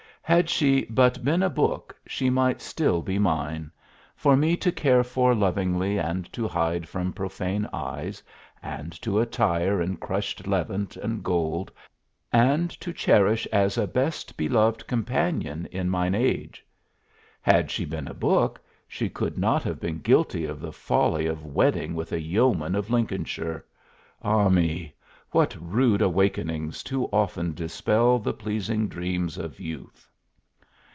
had she but been a book she might still be mine, for me to care for lovingly and to hide from profane eyes and to attire in crushed levant and gold and to cherish as a best beloved companion in mine age! Had she been a book she could not have been guilty of the folly of wedding with a yeoman of Lincolnshire ah me, what rude awakenings too often dispel the pleasing dreams of youth!